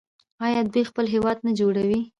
آیا دوی خپل هیواد نه جوړوي؟